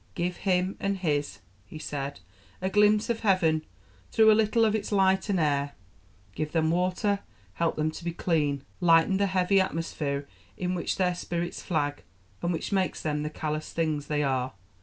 "Give him, and his," he said, "a glimpse of heaven through a little of its light and air; give them water; help them to be clean; lighten the heavy atmosphere in which their spirits flag and which makes them the callous things they are